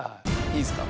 いいですか？